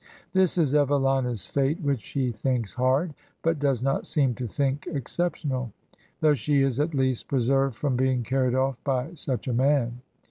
This is Evelina's fate, which she thinks hard, but does not seem to think exceptional; though she is at least preserved from being carried off by such a man.